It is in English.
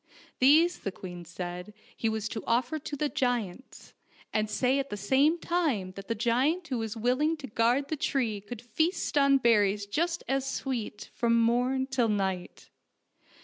These the queen said he was to offer to the giants, and say at the same time that the giant who was willing to guard the tree could feast on berries just as sweet from morn till night.